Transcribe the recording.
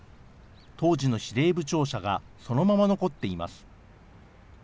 当時の司令部庁舎が、そのまま残っています。